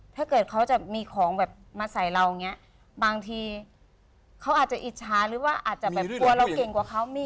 ถ้าเกิดเขาจะมีของแบบมาใส่เราอย่างนี้บางทีเขาอาจจะอิจฉาหรือว่าอาจจะแบบกลัวเราเก่งกว่าเขามี